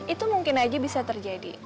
itu mungkin saja bisa terjadi